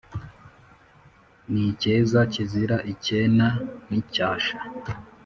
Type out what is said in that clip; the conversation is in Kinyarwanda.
N’ icyeza kizira icyena n’icyasha